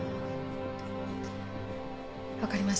わかりました。